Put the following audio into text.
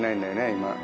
今。